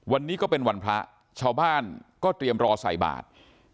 วันนี้ก็เป็นวันพระชาวบ้านก็เตรียมรอใส่บาท